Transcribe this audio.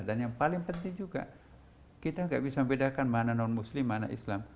dan yang paling penting juga kita nggak bisa membedakan mana non muslim mana islam